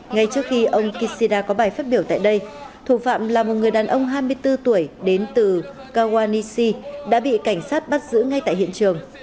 ngay trước khi ông kishida có bài phát biểu tại đây thủ phạm là một người đàn ông hai mươi bốn tuổi đến từ kawanisi đã bị cảnh sát bắt giữ ngay tại hiện trường